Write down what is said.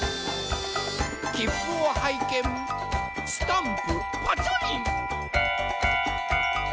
きっぷをはいけんスタンプパチョリン。